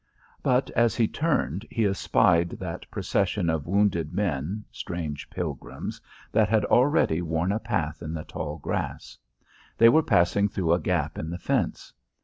But as he turned he espied that procession of wounded men, strange pilgrims, that had already worn a path in the tall grass. They were passing through a gap in the fence.